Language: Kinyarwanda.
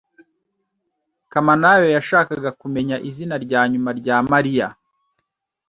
Kamanayo yashakaga kumenya izina rya nyuma rya Mariya.